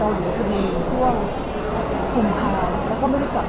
เห็นเค้าเจ้าผมเรื่องร่างมากเป็นหลักอ่อครับ